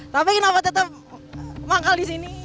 tapi kenapa tetap manggal di sini